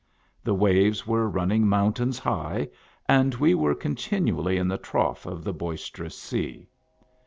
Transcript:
The waves were running mountains high, and we were continu ally in the trough of the boisterous sea.